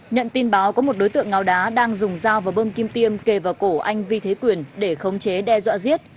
nhận tin báo có một đối tượng ngáo đá đang dùng dao và bơm kim tiêm kề vào cổ anh vi thế quyền để khống chế đe dọa giết